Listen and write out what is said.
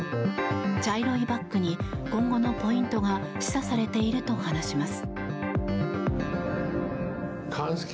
茶色いバックに今後のポイントが示唆されていると話します。